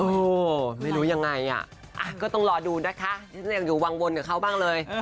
โอ้โหไม่รู้ยังไงอ่ะก็ต้องรอดูนะคะฉันยังอยู่วังวนกับเขาบ้างเลย